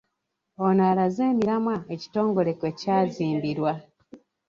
Ono alaze emiramwa ekitongole kwe kya zimbirwa.